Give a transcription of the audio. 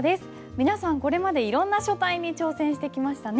皆さんこれまでいろんな書体に挑戦してきましたね。